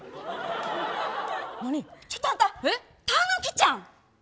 ちょっとあんたタヌキちゃん？